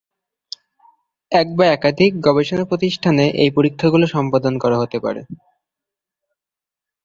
এক বা একাধিক গবেষণা প্রতিষ্ঠানে এই পরীক্ষাগুলি সম্পাদন করা হতে পারে।